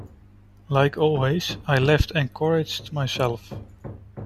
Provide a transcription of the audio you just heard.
Like always, I left encouraged myself.